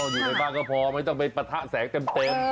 อยู่ในบ้านก็พอไม่ต้องไปปะทะแสงเต็ม